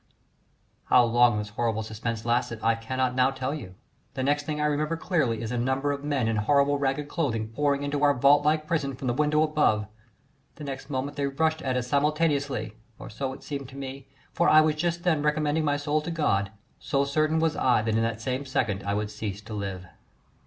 How long this horrible suspense lasted I cannot now tell you: the next thing I remember clearly is a number of men in horrible ragged clothing pouring into our vault like prison from the window above; the next moment they rushed at us simultaneously or so it seemed to me, for I was just then recommending my soul to God, so certain was I that in that same second I would cease to live.